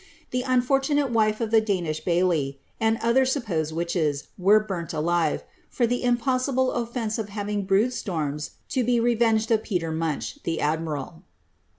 The unfortunate wife of the Danish baillie, and other supposed witches, were burnt alive, for the impossible ofience of having brewed storms to be revenged of Peter Munch, the admiral.